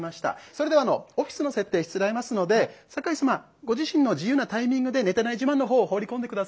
それではあのオフィスの設定しつらえますので酒井様ご自身の自由なタイミングで寝てない自慢の方を放り込んで下さい。